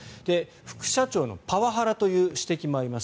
副社長のパワハラという指摘もあります。